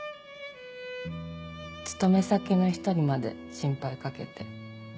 勤め先の人にまで心配かけて。